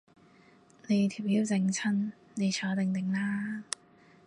你條腰整親，你坐定定啦